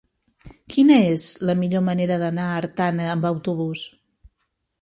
Quina és la millor manera d'anar a Artana amb autobús?